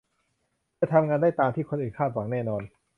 จะทำงานได้ตามที่คนอื่นคาดหวังแน่นอน